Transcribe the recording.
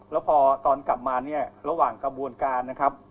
แล้วพอตอนกลับมาเนี่ยระหว่างกระบวนการนะครับ